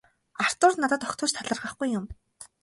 Артур надад огтхон ч талархахгүй юм.